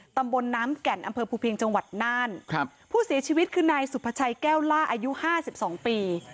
ตำบลน้ำแก่นอำเภอภูเพียงจังหวัดน่านครับผู้เสียชีวิตคือนายสุภาชัยแก้วล่าอายุห้าสิบสองปี